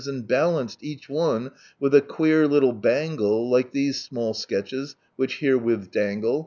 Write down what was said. And balanced, each one, with a queer little bangle Like these &mall sketches, which herewith dangle.